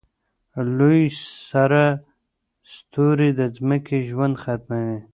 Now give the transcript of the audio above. لوی سره ستوری د ځمکې ژوند ختموي.